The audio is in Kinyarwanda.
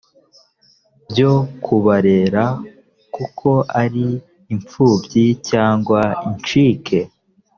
byo kubarera kuko ari imfubyi cyangwa incike